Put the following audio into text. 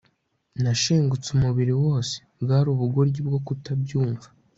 nashengutse umubiri wose, bwari ubugoryi bwo kutabyumva